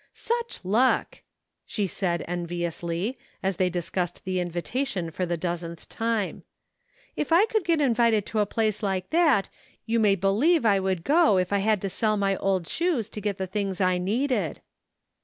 " Such luck !" she said enviously, as they discussed the invitation for the dozenth time. " If I could get invited to a place like that you may believe I would go if I had to sell my old shoes to get the things I needed."